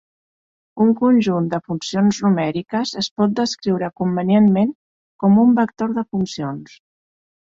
Un conjunt de funcions numèriques es pot descriure convenientment com un vector de funcions.